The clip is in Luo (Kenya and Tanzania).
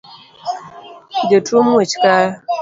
Jatuo muoch kayo